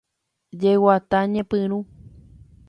Jeguata ñepyrũ.